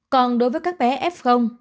còn đối với các bé f